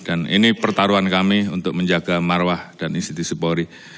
dan ini pertaruhan kami untuk menjaga marwah dan institusi polri